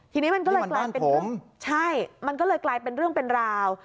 ทีนี้มันก็เลยกลายเป็นเรื่องเป็นราว